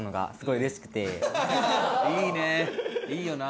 いいねいいよな。